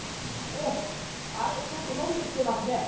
お、あれ、ちょっと伸びてきてますね。